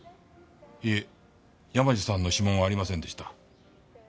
いえ山路さんの指紋はありませんでした。